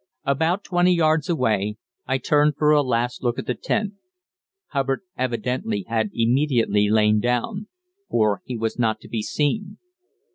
About twenty yards away I turned for a last look at the tent. Hubbard evidently had immediately lain down; for he was not to be seen.